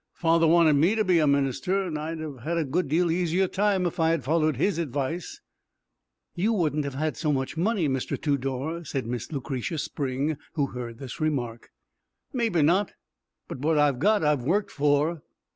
"Father wanted me to be a minister, and I'd have had a good deal easier time if I had followed his advice." "You wouldn't have had so much money, Mr. Tudor," said Miss Lucretia Spring, who heard this remark. "Mebbe not; but what I've got I've worked for."